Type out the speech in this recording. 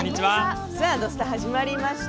「土スタ」始まりました。